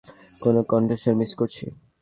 কোনো কন্ঠস্বর মিস করছি।